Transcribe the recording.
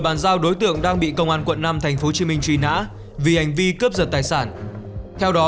bàn giao đối tượng đang bị công an quận năm tp hcm truy nã vì hành vi cướp giật tài sản theo đó